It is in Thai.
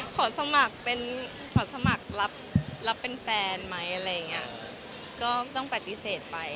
ขอสมัครเป็นขอสมัครรับเป็นแฟนไหมอะไรอย่างเงี้ยก็ต้องปฏิเสธไป